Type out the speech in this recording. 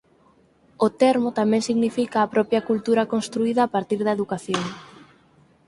O termo tamén significa a propia cultura construída a partir da educación.